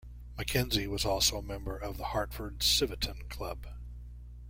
Mackenzie was also a member of the Hartford Civitan Club.